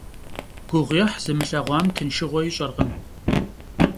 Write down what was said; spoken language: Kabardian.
Guğuêh zımılheğuam tınşşığue yiş'erkhım.